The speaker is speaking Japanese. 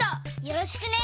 よろしくね！